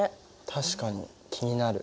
確かに気になる。